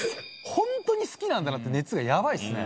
本当に好きなんだなって、熱がやばいですね。